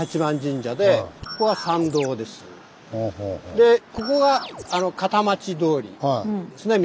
でここが片町通りですね。